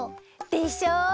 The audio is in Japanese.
でしょう！